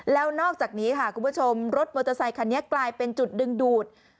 แล้วนอกจากนี้ค่ะคุณผู้ชมรถมอเตอร์ไซคันนี้กลายเป็นจุดดึงดูด